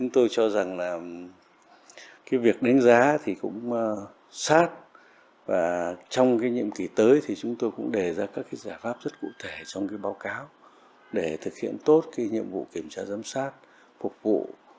trong báo cáo để thực hiện tốt nhiệm vụ kiểm tra giám sát phục vụ